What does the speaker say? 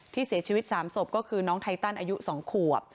เสียชีวิต๓ศพก็คือน้องไทตันอายุ๒ขวบ